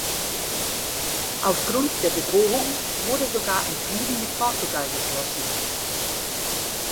Auf Grund der Bedrohung wurde sogar ein Frieden mit Portugal geschlossen.